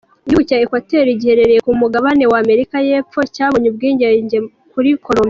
igihugu cya Equateur giherereye ku mugabane wa Amerika y’epfo cyabonye ubwigenge kuri Colombiya.